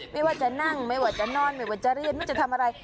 ไม่ว่าจะนั่งไม่ว่าจะนอนไม่ว่าจะเรียนไม่จะทำอะไร